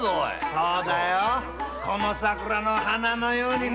そうだよこの桜の花のようにな。